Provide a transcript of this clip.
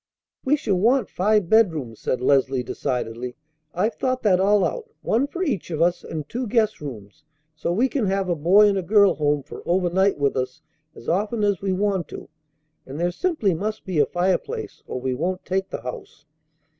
"We shall want five bedrooms," said Leslie decidedly. "I've thought that all out, one for each of us and two guest rooms, so we can have a boy and a girl home for overnight with us as often as we want to. And there simply must be a fireplace, or we won't take the house.